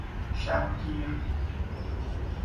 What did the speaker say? شبگیر